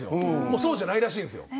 もうそうじゃないらしいですよ。